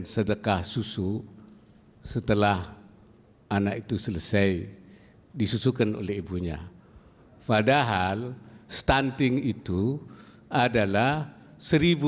sedekah susu setelah anak itu selesai disusukan oleh ibunya padahal stunting itu adalah seribu